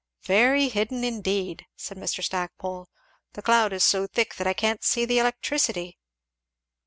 "Very hidden indeed!" said Mr. Stackpole; "the cloud is so thick that I can't see the electricity!"